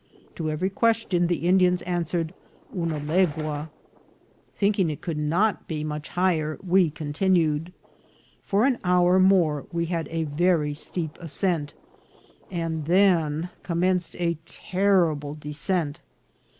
To every question the In dians answered una legua. Thinking it could not be much higher, we continued. For an hour more we had a very steep ascent, and then commenced a terrible descent.